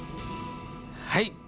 はい！